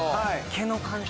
毛の感触。